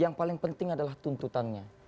yang paling penting adalah tuntutannya